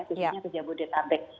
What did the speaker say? yang diangkatnya ke jabodetabek